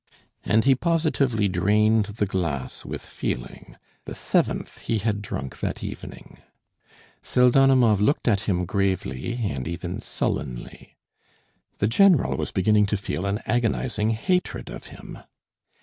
And he positively drained the glass with feeling, the seventh he had drunk that evening. Pseldonimov looked at him gravely and even sullenly. The general was beginning to feel an agonising hatred of him.